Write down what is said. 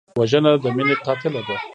وژنه د مینې قاتله ده